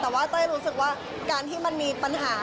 แต่ว่าเต้ยรู้สึกว่าการที่มันมีปัญหา